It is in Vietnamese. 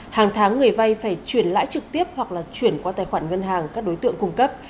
hàng tháng người vay phải chuyển lãi trực tiếp hoặc là chuyển qua tài khoản ngân hàng các đối tượng cung cấp